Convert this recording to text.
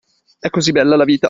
E così bella la vita!